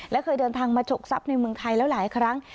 และเคยเดินทางมาฉกทรัพย์ในเมืองไทยแล้วหลายครั้ง